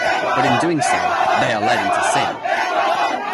But in so doing they are led into sin.